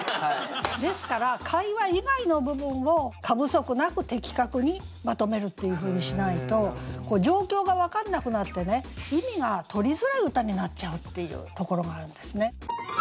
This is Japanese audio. ですから会話以外の部分を過不足なく的確にまとめるっていうふうにしないと状況が分かんなくなってね意味がとりづらい歌になっちゃうっていうところがあるんですね。